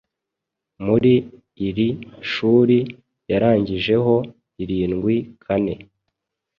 Muri iri shuri yarangijeho irindwi kane